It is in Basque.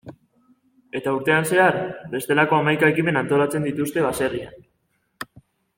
Eta urtean zehar, bestelako hamaika ekimen antolatzen dituzte baserrian.